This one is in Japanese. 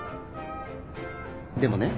でもね